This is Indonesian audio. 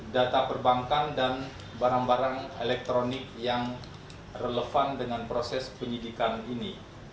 data perbankan dan barang barang elektronik yang relevan dengan proses penyidikan ini